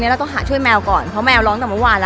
ก็เลยถูกว่ามันน่ารองมาก